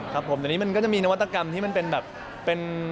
ครับผมแต่นี่มันก็จะมีนวัตกรรมที่มันเป็นแบบเป็น